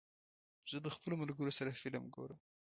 زه د خپلو ملګرو سره فلم ګورم.